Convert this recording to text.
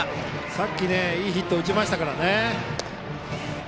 さっきいいヒットを打ちましたからね。